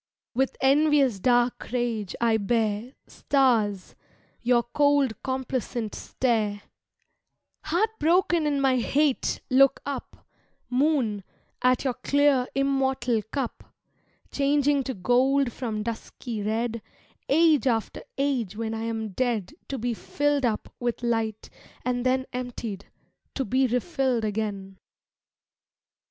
With envious dark rage I bear, Stars, your cold complacent stare; Heart broken in my hate look up, Moon, at your clear immortal cup, Changing to gold from dusky red Age after age when I am dead To be filled up with light, and then Emptied, to be refilled again.